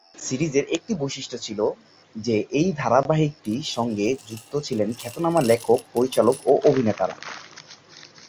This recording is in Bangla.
সিরিজের একটি বৈশিষ্ট্য ছিল যে এই ধারাবাহিকটির সঙ্গে যুক্ত ছিলেন খ্যাতনামা লেখক, পরিচালক ও অভিনেতারা।